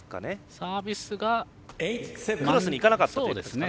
サービスが、クロスにいかなかったということですかね。